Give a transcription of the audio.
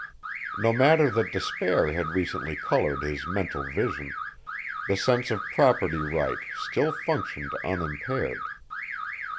No matter that despair had recently colored his mental vision; the sense of property right still functioned unimpaired.